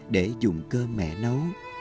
để dùng cơm mẹ nấu